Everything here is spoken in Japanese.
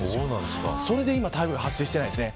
それで今台風が発生していないんです。